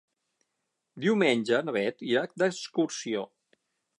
Diumenge na Beth irà d'excursió.